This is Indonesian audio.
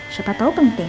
siapa tau penting